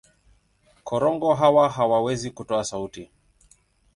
Korongo hawa hawawezi kutoa sauti.